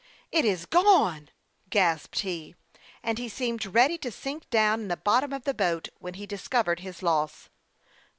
" It is gone !" gasped he ; and he seemed ready 44 HASTE AND WASTE, OE to sink down in the bottom of the boat when he discovered his loss.